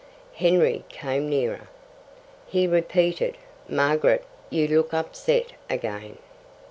Henry came nearer. He repeated, "Margaret, you look upset again.